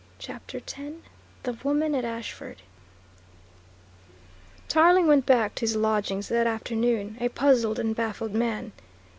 CHAPTER X THE WOMAN AT ASHFORD Tarling went back to his lodgings that afternoon, a puzzled and baffled man.